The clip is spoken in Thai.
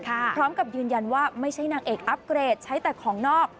พร้อมกับยืนยันว่าไม่ใช่นางเอกอัพเกรดใช้แต่ของนอก